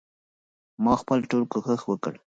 ما خپل ټول کوښښ وکړ.